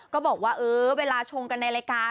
ก็บอกว่าเออเวลาชงกันในรายการ